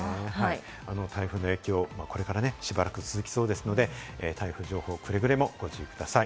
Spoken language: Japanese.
台風の影響、これからしばらく続きそうですので、台風情報、くれぐれもご注意ください。